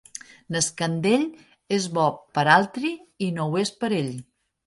N'Escandell és bo per altri i no ho és per ell.